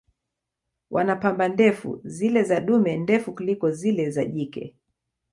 Wana pamba ndefu, zile za dume ndefu kuliko zile za jike.